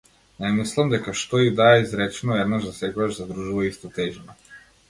Не мислам дека што и да е изречено еднаш за секогаш задржува иста тежина.